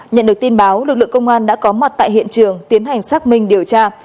nhận được tin báo lực lượng công an đã có mặt tại hiện trường tiến hành xác minh điều tra